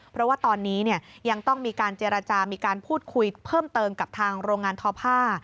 เพราะว่าตอนนี้ยังต้องมีการเจรจามีการพูดคุยเพิ่มเติมกับทางโรงงานทอผ้า